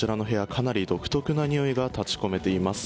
かなり独特なにおいが立ち込めています。